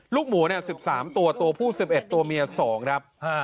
ลูกหมู๑๓ตัวตัวผู้๑๑ตัวเมีย๒ครับ